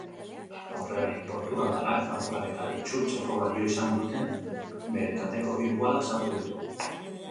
Aurrelari portugaldarrak kanporaketa iraultzeko balio izan duten bere taldeko hiru golak sartu ditu.